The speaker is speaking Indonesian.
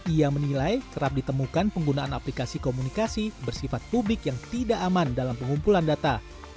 ia menilai kerap ditemukan penggunaan aplikasi komunikasi bersifat publik yang tidak aman dalam pengumpulan data